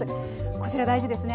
こちら大事ですね。